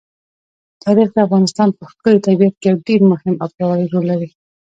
تاریخ د افغانستان په ښکلي طبیعت کې یو ډېر مهم او پیاوړی رول لري.